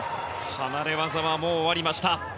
離れ技は終わりました。